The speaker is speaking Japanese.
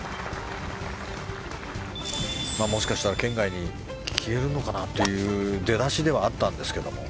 もしかしたら圏外に消えるのかなという出だしではあったんですけども。